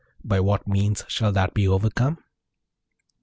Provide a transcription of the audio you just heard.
By what means shall that be overcome?'